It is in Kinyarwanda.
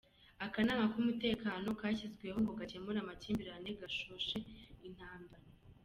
Akanama k’Umutekano kashyizweho ngo gakemure amakimbirane gahoshe intambara.